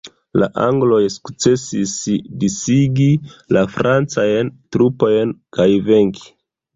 La angloj sukcesis disigi la francajn trupojn kaj venki.